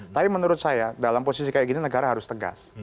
tapi menurut saya dalam posisi kayak gini negara harus tegas